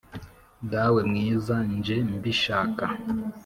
Dawe mwiza nje mbishaka